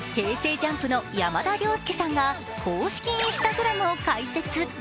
ＪＵＭＰの山田涼介さんが公式Ｉｎｓｔａｇｒａｍを開設。